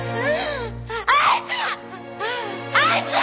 あいつが！